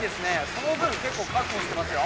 その分結構確保してますよ。